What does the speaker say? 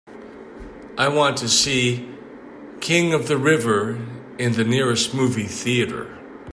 I want to see King of the River in the nearest movie theatre